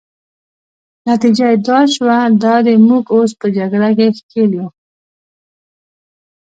نتیجه يې دا شوه، دا دی موږ اوس په جګړه کې ښکېل یو.